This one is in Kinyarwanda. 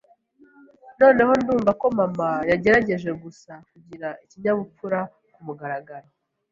Noneho ndumva ko mama yagerageje gusa kugira ikinyabupfura kumugaragaro.